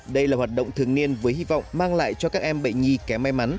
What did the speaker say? đây là hoạt động thường niên với hy vọng mang lại cho các em bệnh nhi kém may mắn